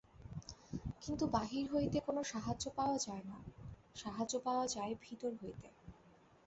কিন্তু বাহির হইতে কোন সাহায্য পাওয়া যায় না, সাহায্য পাওয়া যায় ভিতর হইতে।